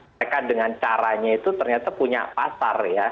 mereka dengan caranya itu ternyata punya pasar ya